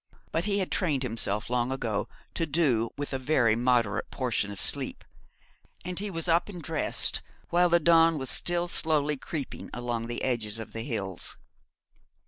But he had trained himself long ago to do with a very moderate portion of sleep, and he was up and dressed while the dawn was still slowly creeping along the edges of the hills.